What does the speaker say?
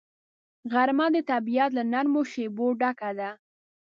غرمه د طبیعت له نرمو شیبو ډکه ده